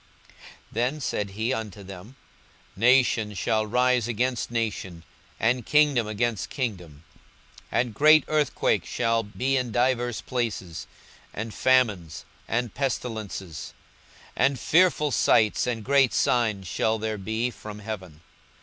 42:021:010 Then said he unto them, Nation shall rise against nation, and kingdom against kingdom: 42:021:011 And great earthquakes shall be in divers places, and famines, and pestilences; and fearful sights and great signs shall there be from heaven.